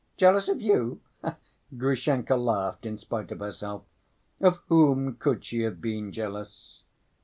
"Jealous of you?" Grushenka laughed in spite of herself. "Of whom could she have been jealous?"